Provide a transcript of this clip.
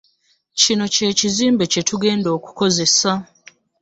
Kino ky'ekizimbe kye tugenda okukozesa.